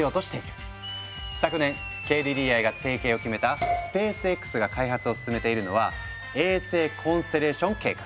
昨年ＫＤＤＩが提携を決めたＳｐａｃｅＸが開発を進めているのは「衛星コンステレーション計画」。